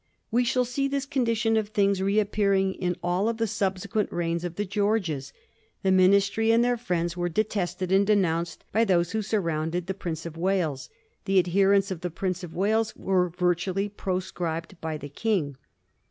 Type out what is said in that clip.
We shall see this condition of things re appearing in all the subsequent reigns of the Greorges. The ministry and their friends were detested and denounced by those who surrounded the Prince of Wales ; the adherents of the Prince of Wales were virtually proscribed by the King.